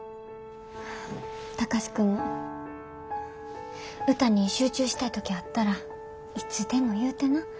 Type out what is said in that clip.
貴司君も歌に集中したい時あったらいつでも言うてな。